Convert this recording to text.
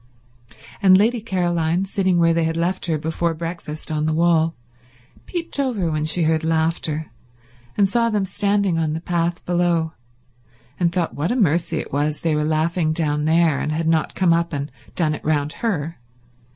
And Lady Caroline, sitting where they had left her before breakfast on the wall, peeped over when she heard laughter, and saw them standing on the path below, and thought what a mercy it was they were laughing down there and had not come up and done it round her.